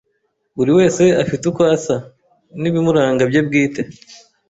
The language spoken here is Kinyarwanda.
Buri wese afite uko asa n’ibimuranga bye bwite;